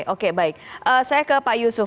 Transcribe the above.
oke baik saya ke pak yusuf